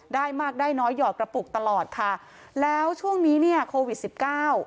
ได้มากได้น้อยหยอดกระปุกตลอดค่ะแล้วช่วงนี้เนี่ยโควิดสิบเก้า